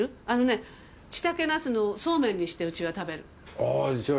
あのねちたけなすのそうめんにしてうちは食べるの。